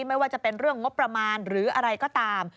ไม่ว่าจะเป็นเรื่องงบประมาณหรืออะไรก็ตาม